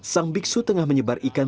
sang biksu tengah menyebar ikan